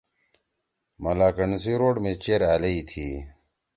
ملکنڈ سی روڈ می چیر ألئی تھی۔